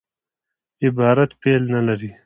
عبارت فعل نه لري.